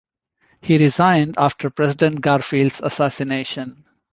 He resigned after President Garfield's assassination.